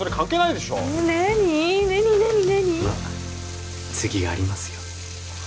まあ次がありますよ